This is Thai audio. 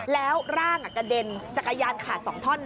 แล้วร่างกระเด็นจักรยานขาด๒ท่อนนะ